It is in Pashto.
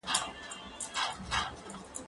زه بايد ليکنه وکړم!.